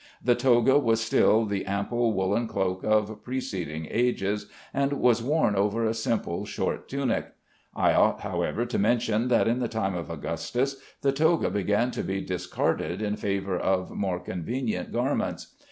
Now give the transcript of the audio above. The toga was still the ample woollen cloak of preceding ages, and was worn over a simple short tunic. I ought, however, to mention that in the time of Augustus the toga began to be discarded in favor of more convenient garments.